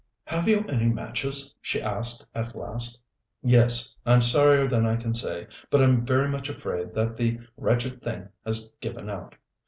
"Have you any matches?" she asked at last. "Yes. I'm sorrier than I can say, but I'm very much afraid that the wretched thing has given out.